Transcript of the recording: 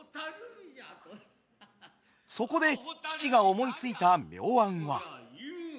そこで父が思いついた妙案は。